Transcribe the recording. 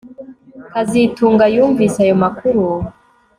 kazitunga yumvise ayo makuru